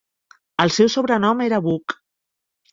El seu sobrenom era "Book".